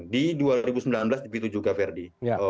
di dua ribu sembilan belas begitu juga ferdi